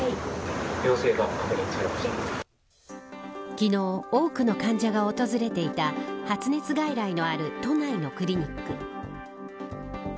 昨日、多くの患者が訪れていた発熱外来のある都内のクリニック。